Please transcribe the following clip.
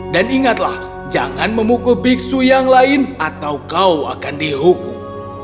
dan ingatlah jangan memukul biksu yang lain atau kau akan dihukum